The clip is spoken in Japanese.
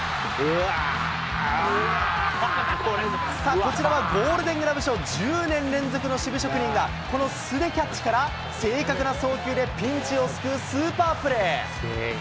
さあ、こちらはゴールデングラブ賞１０年連続の守備職人が、この素手キャッチから正確な送球でピンチを救うスーパープレー。